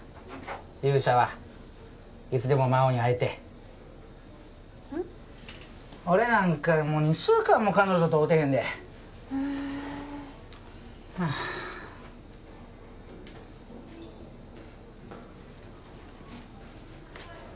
勇者はいつでも魔王に会えて俺なんかもう２週間も彼女と会うてへんではあ